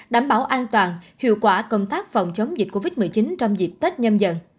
đảm bảo an toàn hiệu quả công tác phòng chống dịch covid một mươi chín trong dịp tết nhâm dần